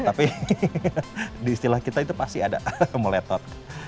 tapi di istilah kita itu pasti ada meletot